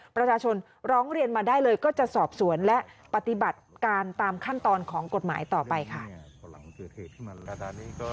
ประชาชนร้องเรียนมาได้เลยก็จะสอบสวนและปฏิบัติการตามขั้นตอนของกฎหมายต่อไปค่ะ